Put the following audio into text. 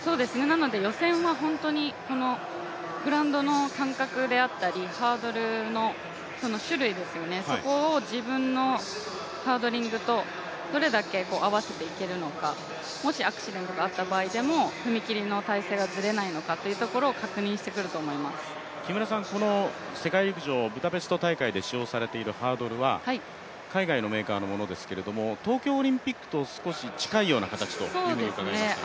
予選は本当に、このグラウンドの感覚であったりハードルの種類ですよね、そこを自分のハードリングとどれだけ合わせていけるのかもしアクシデントがあった場合でも踏み切りの体勢がずれないのかというところを木村さん、この世界陸上ブダペスト大会で使用されているハードルは海外のメーカーのものですけれども東京オリンピックと少し近いような形と伺いましたが？